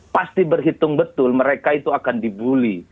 pasti berhitung betul mereka itu akan dibully